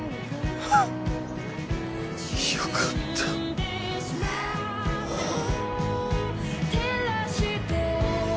よかったあ